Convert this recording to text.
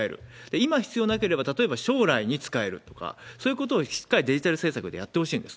今必要なければ、例えば将来に使えるとか、そういうことをしっかりデジタル政策でやってほしいんです。